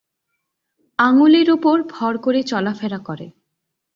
আঙুলের উপর ভর করে চলাফেরা করে।